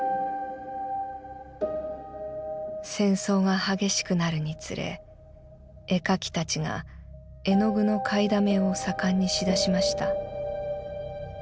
「戦争が烈しくなるにつれ絵描き達が絵の具の買いだめを盛んにし出しました。